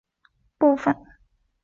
歌词是歌曲中的文词部分。